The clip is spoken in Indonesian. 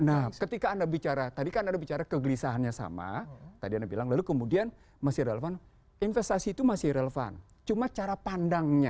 nah ketika anda bicara tadi kan ada bicara kegelisahannya sama tadi anda bilang lalu kemudian masih relevan investasi itu masih relevan cuma cara pandangnya